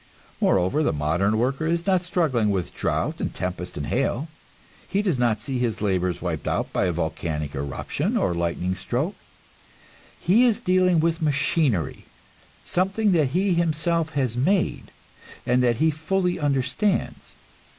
Moreover, the modern worker is not struggling with drought and tempest and hail; he does not see his labors wiped out by volcanic eruption or lightning stroke; he is dealing with machinery, something that he himself has made, and that he fully understands.